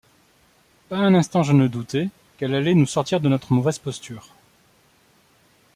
Pas un instant je ne doutai qu’elle allait nous sortir de notre mauvaise posture.